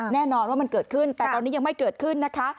แน่นอนว่ามันเกิดขึ้นแต่ตอนนี้ยังไม่เกิดขึ้นนะคะ